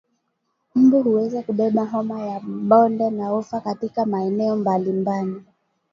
Mbu huweza kubeba homa ya bonde la ufa katika maeneo mbalimbali